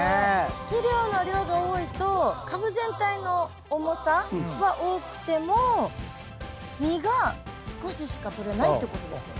肥料の量が多いと株全体の重さは多くても実が少ししかとれないってことですよね。